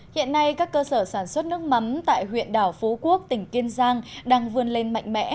hiện nay các cơ sở sản xuất nước mắm tại huyện đảo phú quốc tỉnh kiên giang đang vươn lên mạnh mẽ